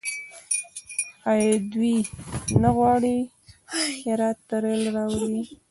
آیا دوی نه غواړي هرات ته ریل راولي؟